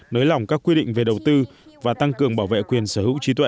nới lỏng các quy định về đầu tư và tăng cường bảo vệ quyền sở hữu trí tuệ